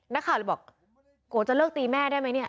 นักข่าวบอกโก๋จะเลิกตีแม่ได้มั้ย